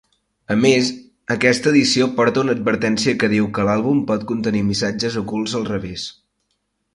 A més, aquesta edició porta una advertència que diu que l'àlbum pot contenir missatges ocults al revés.